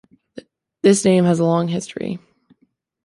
This name has a long history.